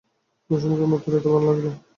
কুসুমকে মতির এত ভালো লাগিল!